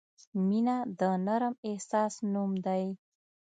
• مینه د نرم احساس نوم دی.